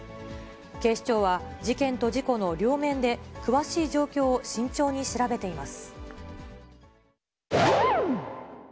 警視庁は、事件と事故の両面で詳しい状況を慎重に調べています。